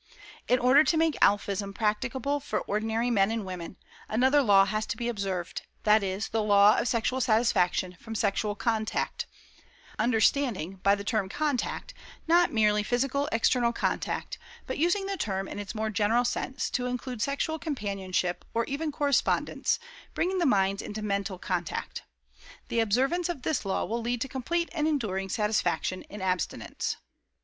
In order to make Alphism practicable for ordinary men and women, another law has to be observed, that is, the law of SEXUAL SATISFACTION FROM SEXUAL CONTACT; understanding by the term 'contact' not merely physical external contact, but using the term in its more general sense to include sexual companionship, or even correspondence, bringing the minds into mental contact. The observance of this law will lead to complete and enduring satisfaction in abstinence.